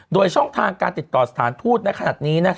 โดยช่องทางการติดต่อสถานทูตณขนาดนี้